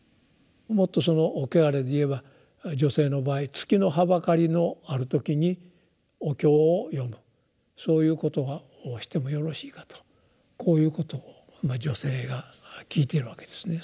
もっとその穢れでいえば女性の場合「月のはばかりのあるときにお経を読むそういうことをしてもよろしいか？」とこういうことを女性が聞いているわけですね。